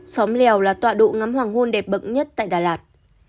xóm lèo là tọa độ ngắm hoàng hôn đẹp nhất tại đà lạt